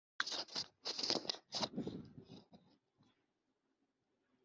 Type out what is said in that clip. Nasobanura nte icyo Bibiliya ivuga ku baryamana